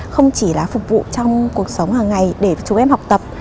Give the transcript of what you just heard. không chỉ là phục vụ trong cuộc sống hàng ngày để chúng em học tập